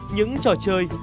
những trò chơi